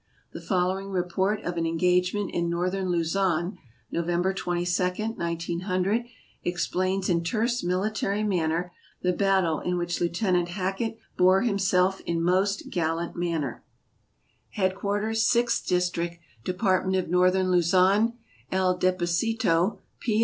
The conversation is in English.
The following report of an engagement in northern Luzon, November 22, 1900, explains in terse military manner the battle in which Lieuten ant Hackett bore himself in most gallant manner: SKETCHES OF TRAVEL Headquarters Sixth District, Department of Northern Luzon, El Deposito, P.